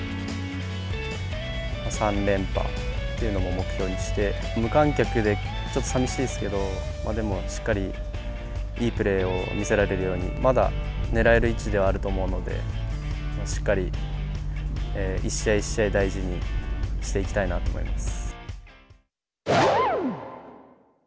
３連覇というのも目標にして、無観客でちょっとさみしいですけど、でもしっかりいいプレーを見せられるように、まだ狙える位置ではあると思うので、しっかり一試合一試合大事にしていきたいなと思います。